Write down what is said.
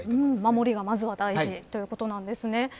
守りがまずは大事ということですね。